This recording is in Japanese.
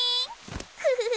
フフフフ。